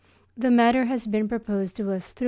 The matter has been proposed to us through M.